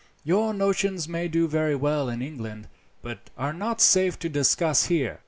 Your notions may do very well in England, but are not safe to discuss here.